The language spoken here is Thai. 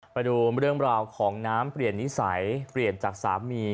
ไปดูเรื่องราวของน้ำเปลี่ยนนิสัยเปลี่ยนจากสามี